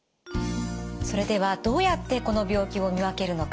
それではどうやってこの病気を見分けるのか。